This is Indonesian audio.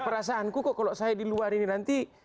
perasaanku kok kalau saya di luar ini nanti